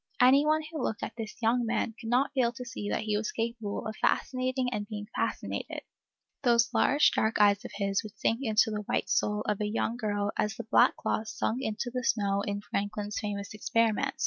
Any one who looked at this young man could not fail to see that he was capable of fascinating and being fascinated. Those large, dark eyes of his would sink into the white soul of a young girl as the black cloth sunk into the snow in Franklin's famous experiment.